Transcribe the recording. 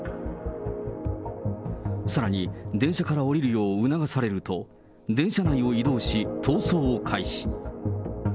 さらに、電車から降りるよう促されると、電車内を移動し、逃走を開始。